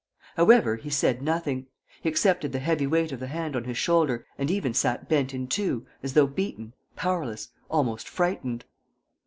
However, he said nothing. He accepted the heavy weight of the hand on his shoulder and even sat bent in two, as though beaten, powerless, almost frightened.